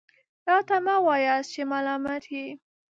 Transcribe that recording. راته مه وایاست چې ملامت یې .